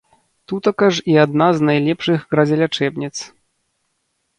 Тутака ж і адна з найлепшых гразелячэбніц.